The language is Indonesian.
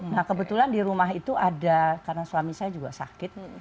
nah kebetulan di rumah itu ada karena suami saya juga sakit